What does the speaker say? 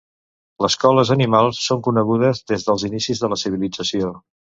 Les coles animals són conegudes des dels inicis de la civilització.